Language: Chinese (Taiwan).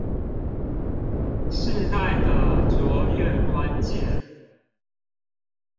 世代的卓越關鍵